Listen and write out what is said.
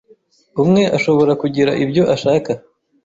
umwe ashobora kugira ibyo ashaka